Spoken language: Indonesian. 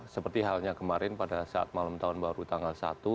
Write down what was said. seperti halnya kemarin pada saat malam tahun baru tanggal satu